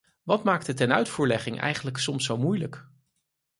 Wat maakt de tenuitvoerlegging eigenlijk soms zo moeilijk?